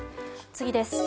次です。